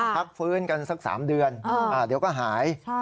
พักฟื้นกันสัก๓เดือนเดี๋ยวก็หาย